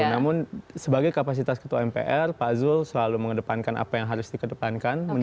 namun sebagai kapasitas ketua mpr pak zul selalu mengedepankan apa yang harus dikedepankan